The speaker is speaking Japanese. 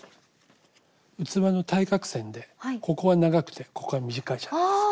器の対角線でここは長くてここは短いじゃないですか。